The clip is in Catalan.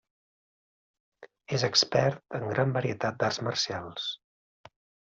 És expert en gran varietat d'arts marcials.